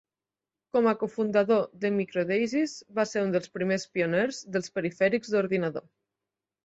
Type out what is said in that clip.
Com a cofundador de MicroDaSys va ser un dels primers pioners dels perifèrics d'ordinador.